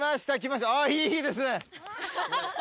ああいいですね。